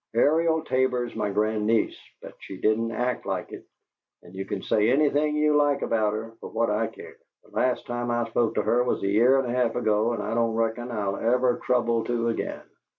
Ariel Tabor's my grandniece, but she didn't act like it, and you can say anything you like about her, for what I care. The last time I spoke to her was a year and a half ago, and I don't reckon I'll ever trouble to again."